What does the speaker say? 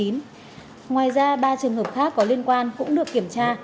ngoài ra ba trường hợp khác có liên quan cũng được kiểm tra